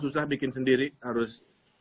susah bikin sendiri harus